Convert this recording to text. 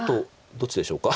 どっちでしょうか。